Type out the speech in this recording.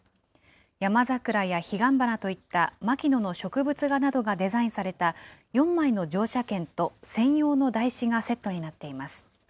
ヤマザクラやヒガンバナといった牧野の植物画などがデザインされた、４枚の乗車券と専用の台紙がセットになっています。